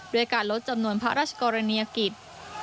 ด้วยการลดจำนวนพระราชกรณียกิจ